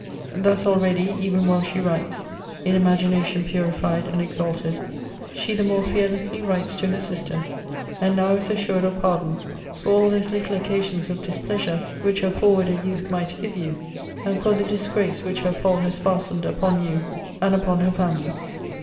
Thus already, even while she writes, in imagination purified and exalted, she the more fearlessly writes to her sister; and now is assured of pardon for all those little occasions of displeasure which her forwarder youth might give you; and for the disgrace which her fall has fastened upon you, and upon her family.